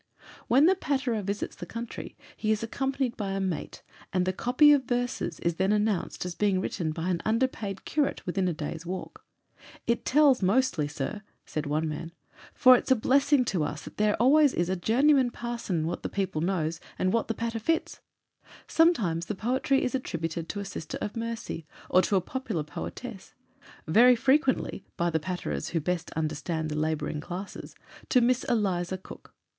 When the patterer visits the country, he is accompanied by a mate, and the "copy of werses" is then announced as being written by an "underpaid curate" within a day's walk. "It tells mostly, sir," said one man; "for its a blessing to us that there always is a journeyman parson what the people knows, and what the patter fits." Sometimes the poetry is attributed to a sister of mercy, or to a popular poetess; very frequently, by the patterers who best understand the labouring classes, to Miss Eliza Cook.